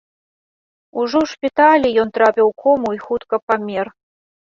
Ужо ў шпіталі ён трапіў у кому і хутка памер.